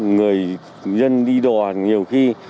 người dân đi đò nhiều khi